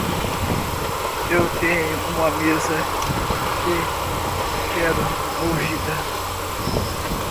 Eu tenho uma mesa que quero movida.